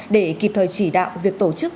để kịp thời chỉ đạo việc tổ chức